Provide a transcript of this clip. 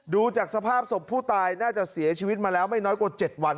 ดูจากสภาพศพผู้ตายน่าจะเสียชีวิตมาแล้วไม่น้อยกว่า๗วัน